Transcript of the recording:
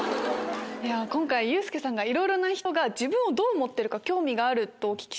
今回ユースケさんが「いろいろな人が自分をどう思ってるか興味がある」と。